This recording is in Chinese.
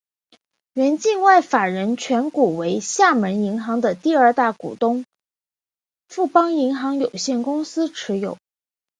原境外法人股全数为厦门银行的第二大股东富邦银行有限公司持有。